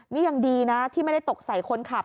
นี่ยังดีนะที่ไม่ได้ตกใส่คนขับ